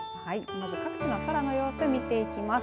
まず、各地の空の様子見ていきます。